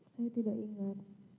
saya tidak ingat